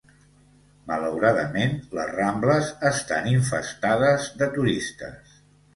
Malauradament, les Rambles estan infestades de turistes.